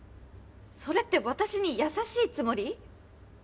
それって私に優しいつもり？